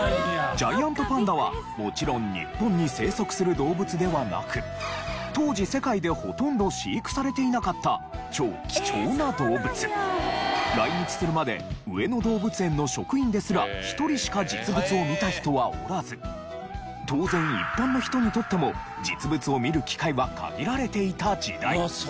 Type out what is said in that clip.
ジャイアントパンダはもちろん日本に生息する動物ではなく当時来日するまで上野動物園の職員ですら一人しか実物を見た人はおらず当然一般の人にとっても実物を見る機会は限られていた時代。